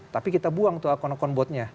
tapi kita buang tuh akun akun botnya